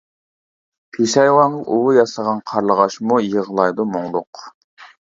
پېشايۋانغا ئۇۋا ياسىغان، قارلىغاچمۇ يىغلايدۇ مۇڭلۇق.